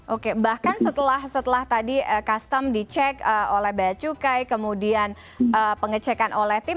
oke bahkan setelah tadi custom dicek oleh bacukai kemudian pengecekan oleh tim